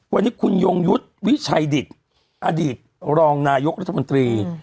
วันนี้คุณยงยุทธ์วิชัยดิตอดีตรองนายกรัฐมนตรี